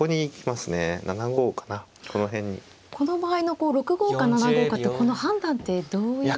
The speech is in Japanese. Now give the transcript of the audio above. この場合の６五か７五かってこの判断ってどういう。